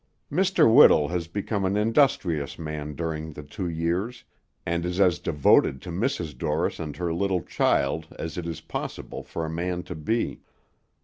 Mr. Whittle has become an industrious man during the two years, and is as devoted to Mrs. Dorris and her little child as it is possible for a man to be.